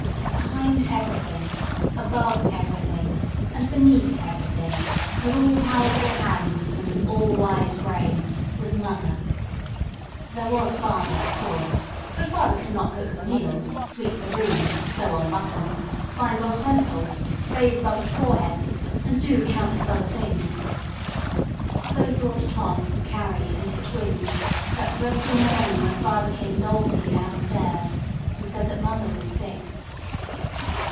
Behind everything, above everything, and beneath everything, with all powerful hands and an all wise brain, was mother. There was father, of course; but father could not cook the meals, sweep the rooms, sew on buttons, find lost pencils, bathe bumped foreheads, and do countless other things. So thought Tom, Carrie, and the twins that dreadful morning when father came dolefully downstairs and said that mother was sick.